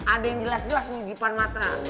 ada yang jelas jelas nih di depan mata